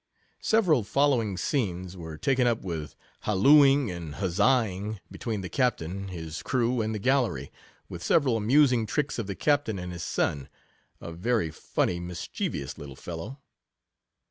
Several following scenes were taken up with hallooing and huzzaing, between the captain, hjs crew, and the gallery, with se veral amusing tricks of the captain and his son, a very funny, mischievous little fellow.